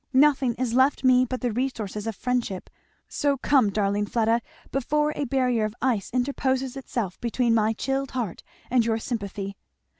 "Nothing is left me but the resources of friendship so come darling Fleda, before a barrier of ice interposes itself between my chilled heart and your sympathy.